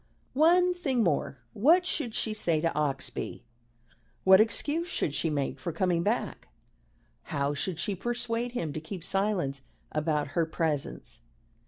One thing more What should she say to Oxbye? What excuse should she make for coming back? How should she persuade him to keep silence about her presence?